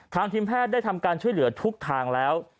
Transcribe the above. ทีมแพทย์ได้ทำการช่วยเหลือทุกทางแล้ว